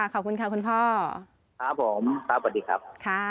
ขอบคุณค่ะคุณพ่อครับผมครับสวัสดีครับ